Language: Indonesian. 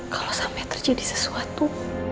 kalau sampai terjadi sesuatu